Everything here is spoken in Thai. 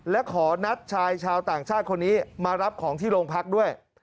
และขอนัดชายชาวต่างชาติคนนี้มารับของที่โรงพักด้วย